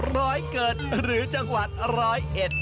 ร้อยเกิดหรือจังหวัดร้อยเอ็ด